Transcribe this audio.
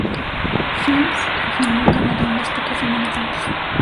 Films y filmó en Canadá unas pocas semanas antes.